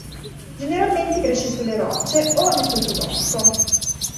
Generalmente cresce sulle rocce o nel sottobosco.